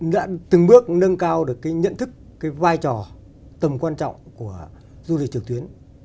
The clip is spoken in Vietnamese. đã từng bước nâng cao được cái nhận thức cái vai trò tầm quan trọng của du lịch trực tuyến